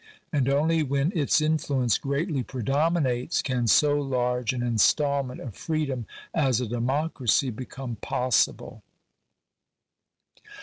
And only^phen its influence greatly predominates can so large an instalment of freedom as a democracy become possible.